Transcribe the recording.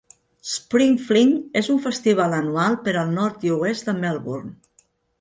"Spring Fling" és un festival anual per al nord i oest de Melbourne.